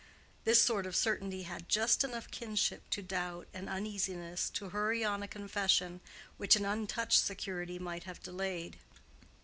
This sort of certainty had just enough kinship to doubt and uneasiness to hurry on a confession which an untouched security might have delayed.